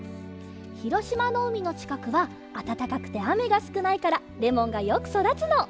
ひろしまのうみのちかくはあたたかくてあめがすくないからレモンがよくそだつの。